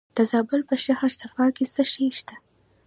د زابل په شهر صفا کې څه شی شته؟